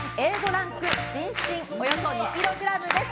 ランク芯々およそ２ｋｇです。